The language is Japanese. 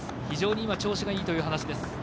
非常に今、調子がいいという話です。